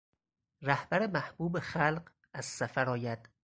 رهبر محبوب خلق از سفر آید